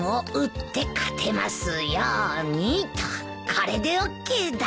これでＯＫだ！